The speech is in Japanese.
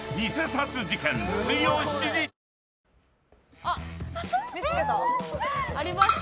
あっ見つけた。